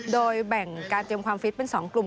โดยแบ่งการเตรียมความฟิตเป็น๒กลุ่ม